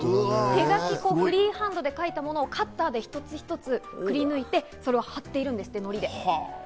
フリーハンドで描いたものをカッターで一つ一つくりぬいて、それを貼っているんですって、のりで。